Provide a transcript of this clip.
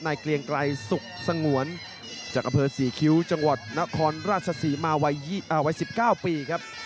เกลียงไกรสุขสงวนจากอำเภอศรีคิ้วจังหวัดนครราชศรีมาวัย๑๙ปีครับ